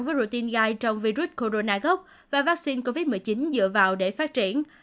với protein gai trong virus corona gốc và vaccine covid một mươi chín dựa vào để phát triển